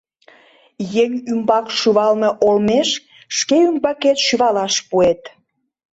Еҥ ӱмбак шӱвалме олмеш шке ӱмбакет шӱвалаш пуэт.